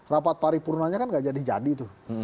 rapat paripurnanya kan gak jadi jadi tuh